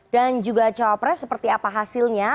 dan juga cawapres seperti apa hasilnya